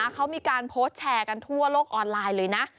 เขามีการโพสต์แชร์กันทั่วโลกออนไลน์เลยนะ